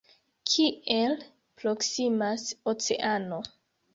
Kiel proksimas oceano!